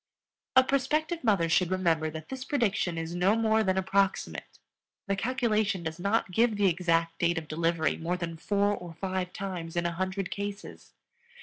A prospective mother should remember that this prediction is no more than approximate. The calculation does not give the exact date of delivery more than four or five times in a hundred cases.